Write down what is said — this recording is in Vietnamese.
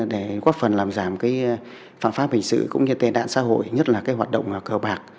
để góp phần làm giảm phạm pháp hình sự cũng như tên nạn xã hội nhất là hoạt động cờ bạc